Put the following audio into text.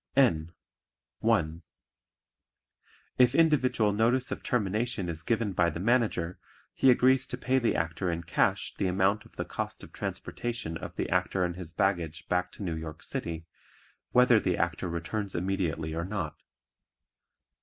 (N) (1) If individual notice of termination is given by the Manager he agrees to pay the Actor in cash the amount of the cost of transportation of the Actor and his baggage back to New York City whether the Actor returns immediately or not.